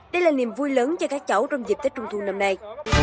đây là niềm vui lớn cho các cháu trong dịp tết trung thu năm nay